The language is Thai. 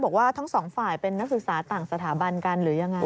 บอกว่าทั้งสองฝ่ายเป็นนักศึกษาต่างสถาบันกันหรือยังไง